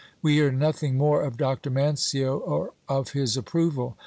We hear nothing more of Dr. Mancio or of his approval.